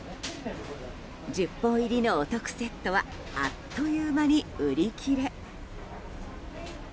１０本入りのお得セットはあっという間に売り切れ。